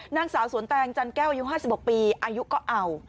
นางสาวสวนแตงจันแก้วอายุ๕๖ปีอายุก็เอา